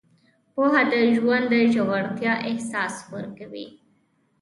پوهه د ژوند د ژورتیا احساس ورکوي.